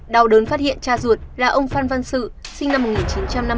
đào đớn phát hiện cha ruột là ông phan văn sự sinh năm một nghìn chín trăm năm mươi bốn